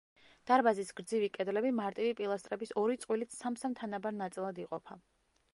დარბაზის გრძივი კედლები მარტივი პილასტრების ორი წყვილით სამ-სამ თანაბარ ნაწილად იყოფა.